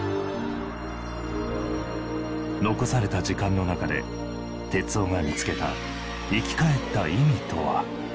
残された時間の中で徹生が見つけた生き返った意味とは。